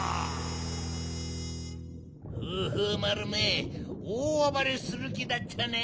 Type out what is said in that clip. フーフーまるめおおあばれするきだっちゃね。